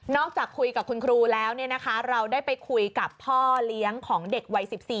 จากคุยกับคุณครูแล้วเราได้ไปคุยกับพ่อเลี้ยงของเด็กวัย๑๔